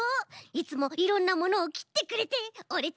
いつもいろんなものをきってくれてオレっ